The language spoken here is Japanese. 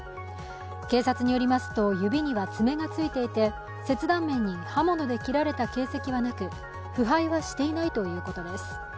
警察によりますと、指には爪がついていて、切断面に刃物で切られた形跡はなく腐敗はしていないということです。